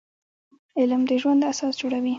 علم د ژوند اساس جوړوي